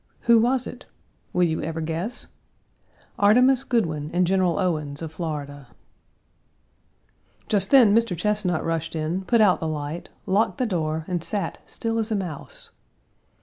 Who was it? Will you ever guess? Artemus Goodwyn and General Owens, of Florida. Just then, Mr. Chesnut rushed in, put out the light, locked the door and sat still as a mouse.